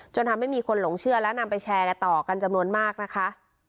ทำให้มีคนหลงเชื่อและนำไปแชร์กันต่อกันจำนวนมากนะคะ